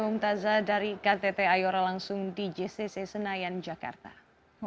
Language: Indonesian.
um taza dari ktt iora langsung di jcc senayan jakarta